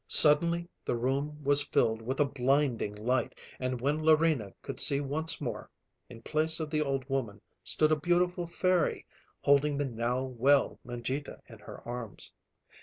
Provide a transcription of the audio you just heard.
Suddenly the room was filled with a blinding light, and when Larina could see once more, in place of the old woman stood a beautiful fairy holding the now well Mangita in her arms.